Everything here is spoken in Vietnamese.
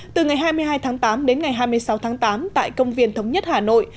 từ ngày hai mươi hai tháng tám đến ngày hai mươi sáu tháng tám tại công viên thống nhất hà nội